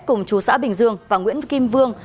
cùng chú xã bình dương và nguyễn kim vương